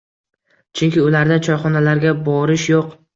Chunki ularda choyxonalarga boorish yo’q.